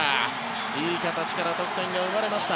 いい形から得点が生まれました。